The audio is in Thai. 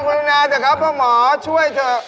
ขอพบริลุณาเดี๋ยวครับเพราะหมอช่วยเถอะ